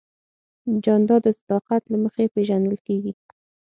جانداد د صداقت له مخې پېژندل کېږي.